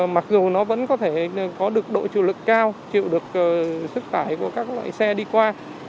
mặc dù nó vẫn có thể có được độ chịu lực cao chịu được sức tải của các loại xe đi qua